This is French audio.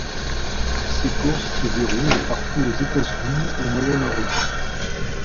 Ces courses se déroulent partout aux États-Unis et au Moyen-Orient.